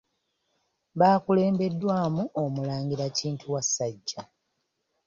Bakulembeddwamu Omulangira Kintu Wasajja.